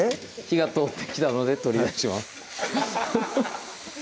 火が通ってきたので取り出します